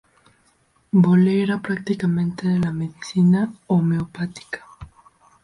Boole era practicante de la medicina homeopática.